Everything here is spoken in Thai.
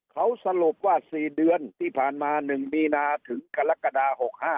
เขาสรุปว่า๔เดือนที่ผ่านมา๑มีนาถึงกรกฎา๖๕